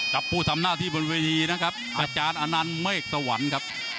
ผู้ทำหน้าที่บนเวทีนะครับอาจารย์อนันต์เมฆสวรรค์ครับ